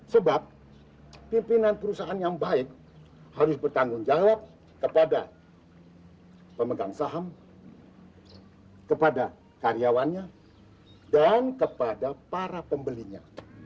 sebab pimpinan perusahaan yang baik harus bertanggung jawab kepada pemegang saham kepada karyawannya dan kepada para pembelinya